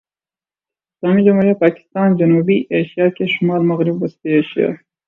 اسلامی جمہوریہ پاکستان جنوبی ایشیا کے شمال مغرب وسطی ایشیا